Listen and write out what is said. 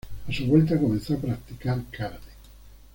A su vuelta comenzó a practicar Karate.